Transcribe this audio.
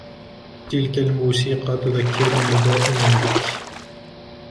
تلك الموسيقى تذكرني دائماً بك.